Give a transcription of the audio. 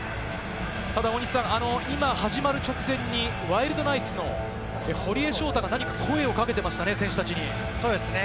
ただ大西さん、今、始まる直前にワイルドナイツの堀江翔太が何か声をかけていましたね、選手たちに。